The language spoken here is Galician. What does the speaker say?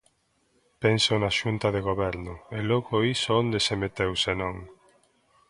Penso na xunta de Goberno, ¿e logo iso onde se meteu se non?